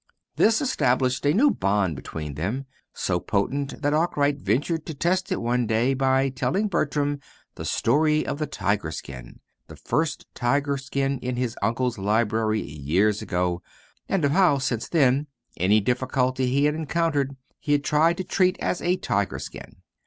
This established a new bond between them, so potent that Arkwright ventured to test it one day by telling Bertram the story of the tiger skin the first tiger skin in his uncle's library years ago, and of how, since then, any difficulty he had encountered he had tried to treat as a tiger skin.